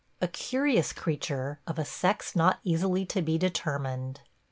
... A curious creature – of a sex not easily to be determined.